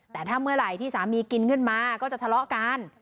แต่ถ้าเมื่อไหร่ที่สามีกินขึ้นมาก็จะทะเลาะกัน